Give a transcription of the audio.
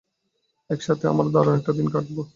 একসাথে আমরা দারুন একটা দিন কাটাবো।